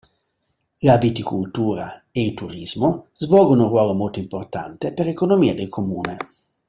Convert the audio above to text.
La viticultura e il turismo svolgono un ruolo molto importante per l'economia del Comune.